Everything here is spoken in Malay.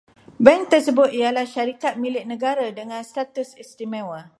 Bank tersebut ialah syarikat milik negara dengan status istimewa